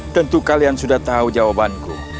tentu kalian sudah tahu jawabanku